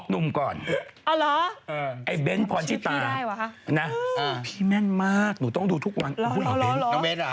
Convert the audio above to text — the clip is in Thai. ลูกเทพตุ๊กตาลูกเทพของเรา